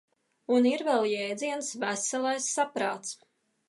Un vēl ir jēdziens "veselais saprāts".